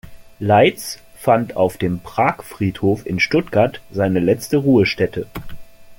Leitz fand auf dem Pragfriedhof in Stuttgart seine letzte Ruhestätte.